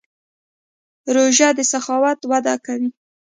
روژه د سخاوت وده کوي.